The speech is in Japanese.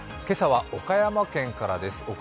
今朝は岡山県からです。